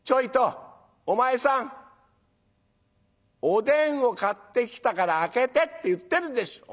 おでんを買ってきたから開けてって言ってるでしょ！